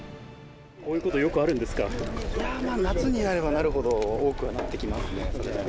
こういうことはよくあるんでいやぁ、夏になればなるほど多くはなってきますね。